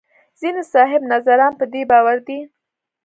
ځینې صاحب نظران په دې باور دي.